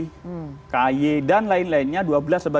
dengan dengan dua gelas lembaga non kementerian lainnya komnas ori kppk